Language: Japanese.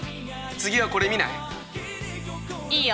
次はこれ見ない？